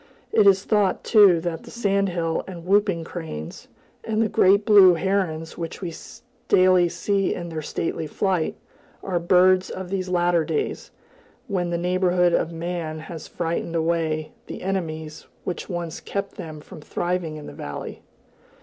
It is thought, too, that the sand hill and whooping cranes, and the great blue herons which we daily see in their stately flight, are birds of these later days, when the neighborhood of man has frightened away the enemies which once kept them from thriving in the valley.